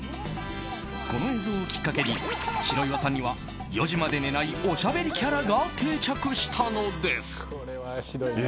この映像をきっかけに白岩さんには４時まで寝ないおしゃべりキャラが定着したのです。